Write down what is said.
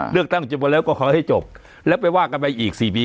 เลือกตั้งจบหมดแล้วก็ขอให้จบแล้วไปว่ากันไปอีก๔ปี